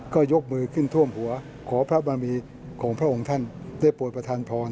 ก็ยกมือขึ้นท่วมหัวขอพระบารมีของพระองค์ท่านได้โปรดประธานพร